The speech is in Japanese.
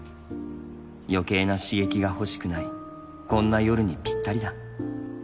余計な刺激が欲しくないこんな夜にぴったりだ。